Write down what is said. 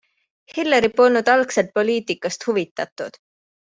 Hillary polnud algselt poliitikast huvitatud.